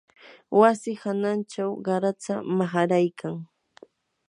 wasi hanachaw qaratsa maharaykan